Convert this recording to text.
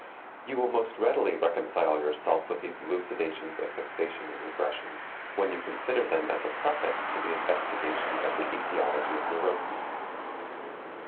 You will most readily reconcile yourself with these elucidations of fixation and regression, when you consider them as a preface to the investigation of the etiology of neuroses.